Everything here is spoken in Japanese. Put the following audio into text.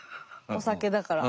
お酒だから。